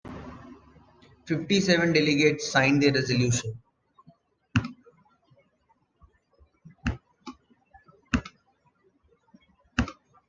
Fifty-seven delegates signed the resolution.